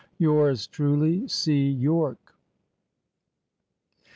"Yours truly, "C. Yorke."